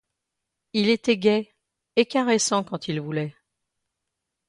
Il était gai, et caressant quand il voulait.